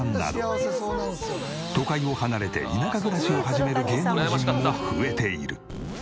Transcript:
都会を離れて田舎暮らしを始める芸能人も増えている。